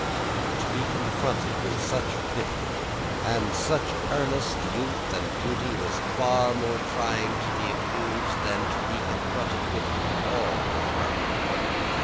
To be confronted with such pity, and such earnest youth and beauty, was far more trying to the accused than to be confronted with all the crowd.